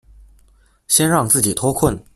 先让自己脱困